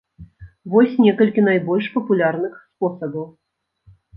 Вось некалькі найбольш папулярных спосабаў.